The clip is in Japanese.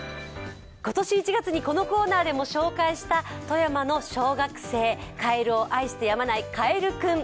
今年１月にこのコーナーでも紹介した富山の小学生、かえるを愛してやまないかえるクン。